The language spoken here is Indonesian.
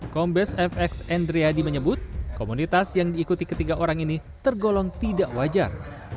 kombes fx endriadi menyebut komunitas yang diikuti ketiga orang ini tergolong tidak wajar